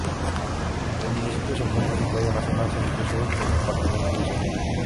El municipio se encuentra situado en la zona centro-sur del departamento de Soriano.